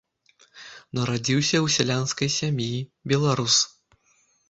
Нарадзіўся ў сялянскай сям'і, беларус.